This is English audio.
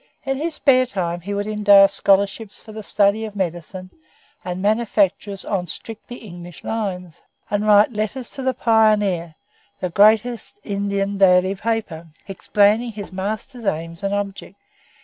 In his spare time he would endow scholarships for the study of medicine and manufactures on strictly English lines, and write letters to the "Pioneer", the greatest Indian daily paper, explaining his master's aims and objects.